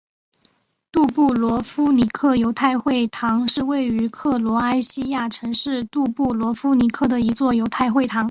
杜布罗夫尼克犹太会堂是位于克罗埃西亚城市杜布罗夫尼克的一座犹太会堂。